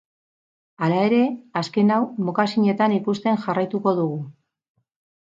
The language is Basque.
Hala ere, azken hau mokasinetan ikusten jarraituko dugu.